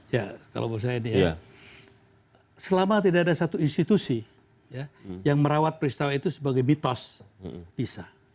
ya kalau menurut saya ini ya selama tidak ada satu institusi yang merawat peristiwa itu sebagai mitos bisa